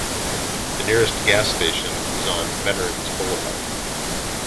The nearest gas station is on Veterans Boulevard.